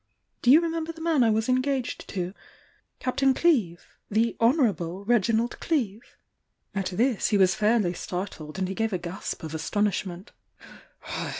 Do you remember the man I was engaged to?— Captain Cleeve?— the 'Honourable' Reginald Cleeve?" At this he was fairly startled and he gave a gasp of astonishment.